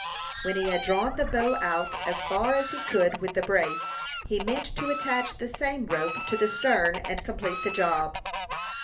When he had drawn the bow out as far as he could with the brace, he meant to attach the same rope to the stern, and complete the job.